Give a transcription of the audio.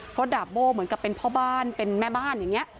เพราะดาบโบ้เหมือนกับเป็นพ่อบ้านเป็นแม่บ้านอย่างนี้